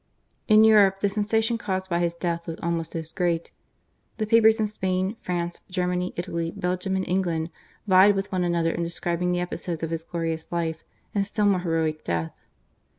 In Europe the sensation caused by his death was almost as great. The papers in Spain, France, Germany, Italy, Belgium, and England vied with one another in describing the episodes of his glorious life, and still more heroic death.